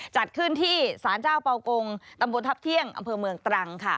จัดขึ้นที่สารเจ้าเป่ากงตำบลทัพเที่ยงอำเภอเมืองตรัง